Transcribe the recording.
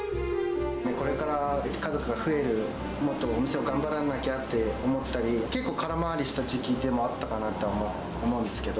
これから家族が増える、もっとお店を頑張らなきゃと思ったり、結構空回りした時期でもあったかなと思うんですけど。